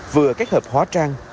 vừa các hợp hóa trang